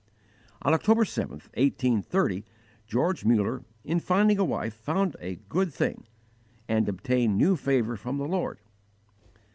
On October 7, 1830, George Muller, in finding a wife, found a good thing and obtained new favour from the Lord.